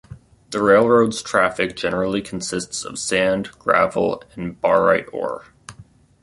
The railroad's traffic generally consists of sand, gravel, and barite ore.